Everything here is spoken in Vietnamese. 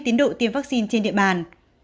tiến độ tiêm vaccine trên địa bàn